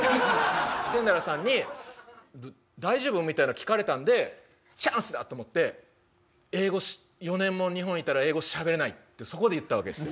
テンダラーさんに大丈夫？みたいなの聞かれたんでチャンスだと思って４年も日本にいたら英語しゃべれないってそこで言ったわけですよ。